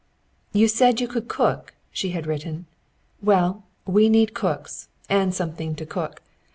"You said you could cook," she had written. "Well, we need cooks, and something to cook.